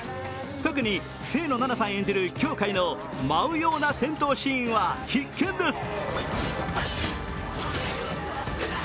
特に清野菜名さん演じるキョウカイの舞うような戦闘シーンは必見です。